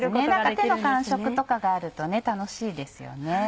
手の感触とかがあると楽しいですよね。